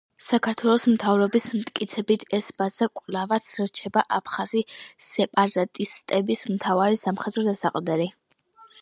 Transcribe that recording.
საქართველოს მთავრობის მტკიცებით ეს ბაზა კვლავაც რჩება აფხაზი სეპარატისტების მთავარი სამხედრო დასაყრდენი.